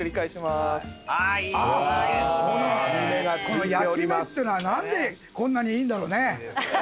この焼き目ってのは何でこんなにいいんだろうね。